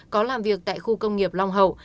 có làm việc tại khu công nghiệp long hậu